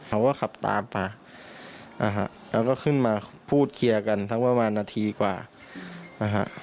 เขาก็ขับตามมานะฮะแล้วก็ขึ้นมาพูดเคลียร์กันทั้งประมาณนาทีกว่านะฮะ